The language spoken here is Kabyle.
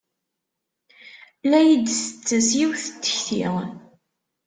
La iyi-d-tettas yiwet n tekti.